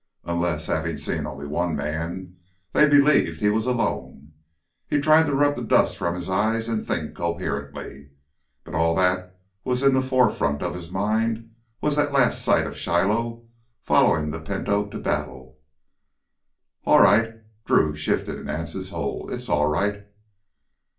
Unless, having seen only one man, they believed he was alone. He tried to rub the dust from his eyes and think coherently. But all that was in the forefront of his mind was that last sight of Shiloh following the Pinto to battle. "All right." Drew shifted in Anse's hold. "It's all right."